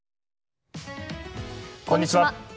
こんにちは。